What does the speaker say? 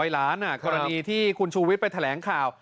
๐ล้านกรณีที่คุณชูวิทย์ไปแถลงข่าว